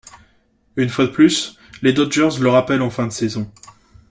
Une fois de plus, les Dodgers le rappellent en fin de saison.